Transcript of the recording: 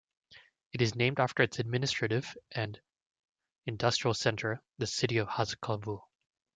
It is named after its administrative and industrial centre - the city of Haskovo.